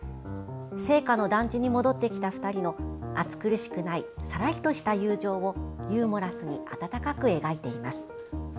生家の団地に戻ってきた２人の暑苦しくないさらりとした友情をユーモラスに温かく描いています。